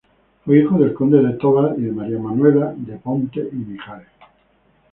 Fue hijo del conde de Tovar y de María Manuela de Ponte y Mijares.